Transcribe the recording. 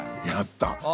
やった！